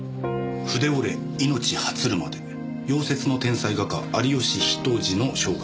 「『筆折れ、命果つるまで』夭折の天才画家有吉比登治の生涯」。